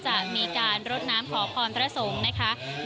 จะมีการรดน้ำขอพรพระสงฆ์นะคะ